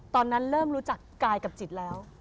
ตอนนั้นเริ่มรู้จักกายกับจิตแล้ว